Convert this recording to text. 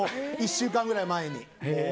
１週間ぐらい前に。